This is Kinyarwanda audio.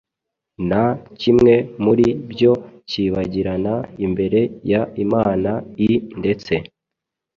na kimwe muri byo cyibagirana imbere y Imana i Ndetse